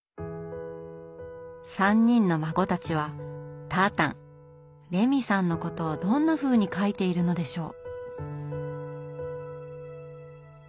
３人の孫たちはたーたんレミさんのことをどんなふうに書いているのでしょう？